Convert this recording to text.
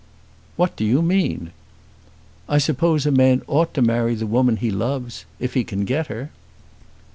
"What do you mean?" "I suppose a man ought to marry the woman he loves, if he can get her."